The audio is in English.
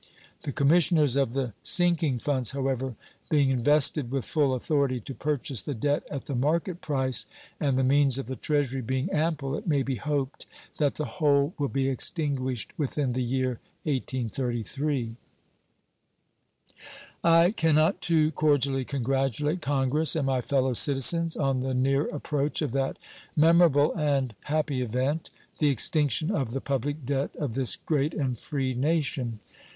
The commissioners of the sinking funds, however, being invested with full authority to purchase the debt at the market price, and the means of the Treasury being ample, it may be hoped that the whole will be extinguished within the year 1833. I can not too cordially congratulate Congress and my fellow citizens on the near approach of that memorable and happy event the extinction of the public debt of this great and free nation.